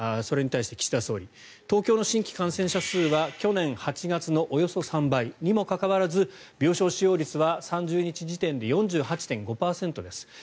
それに対して岸田総理。東京の新規感染者数は去年８月のおよそ３倍にもかかわらず病床使用率は３０日時点で４８．５％です。